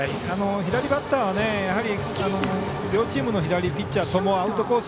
左バッターはやはり両チームの左ピッチャーともアウトコース